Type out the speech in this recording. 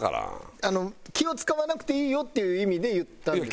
「気を使わなくていいよ」っていう意味で言ったんですけど。